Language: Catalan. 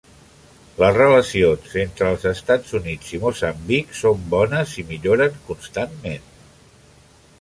Les relacions entre els Estats Units i Moçambic són bones i milloren constantment.